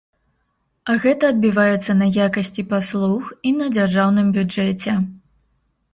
А гэта адбіваецца на якасці паслуг і на дзяржаўным бюджэце.